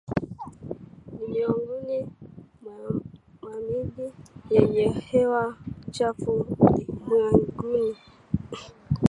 ni miongoni mwa miji yenye hewa chafu ulimwenguni